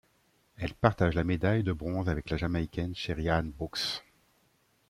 Elle partage la médaille de bronze avec la Jamaïcaine Sheri-Ann Brooks.